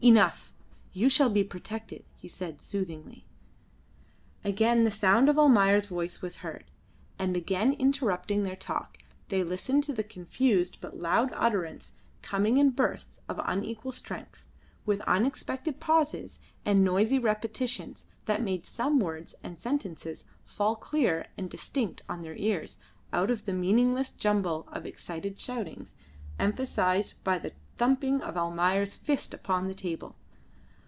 "Enough. You shall be protected," he said soothingly. Again the sound of Almayer's voice was heard, and again interrupting their talk, they listened to the confused but loud utterance coming in bursts of unequal strength, with unexpected pauses and noisy repetitions that made some words and sentences fall clear and distinct on their ears out of the meaningless jumble of excited shoutings emphasised by the thumping of Almayer's fist upon the table.